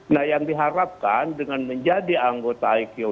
nah yang diharapkan dengan menjadi anggota iq